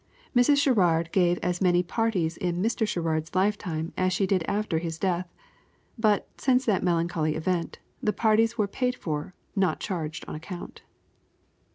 Mrs. Sherrard gave as many parties in Mr. Sherrard's lifetime as she did after his death; but, since that melancholy event, the parties were paid for, not charged on account.